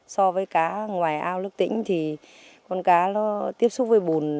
so với cá ngoài ao nước tĩnh thì con cá nó tiếp xúc với bùn